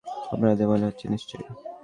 আপনাদেরও মনে হয়েছে নিশ্চয়ই।